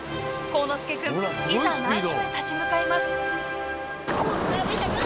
幸之助君、いざ難所へ立ち向かいます。